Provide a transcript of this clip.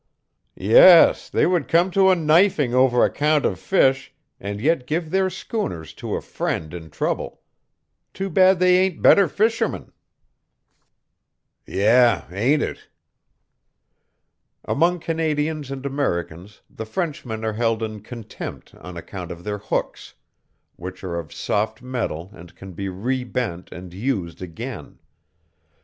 "Yes, they would come to a knifing over a count of fish and yet give their schooners to a friend in trouble. Too bad they ain't better fishermen." "Yeah, ain't it." Among Canadians and Americans the Frenchmen are held in contempt on account of their hooks, which are of soft metal and can be rebent and used again.